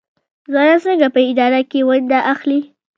ځوانان څنګه په اداره کې ونډه اخلي؟